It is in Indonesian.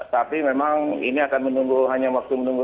tapi memang ini akan menunggu hanya waktu menunggu